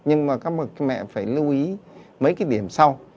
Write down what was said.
nhưng mà các bậc mẹ phải lưu ý mấy cái điểm sau